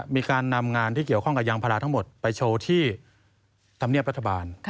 มีการนำงานที่เกี่ยวข้องกับยางพาราทั้งหมดไปโชว์ที่ธรรมเนียบรัฐบาล